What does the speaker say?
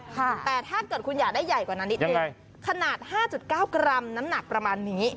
แต่ถ้าเกิดคุณอยากได้ใหญ่กว่านั้นนิดนึงขนาด๕๙กรัมน้ำหนักประมาณนี้